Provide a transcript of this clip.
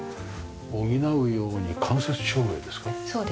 補うように間接照明ですね？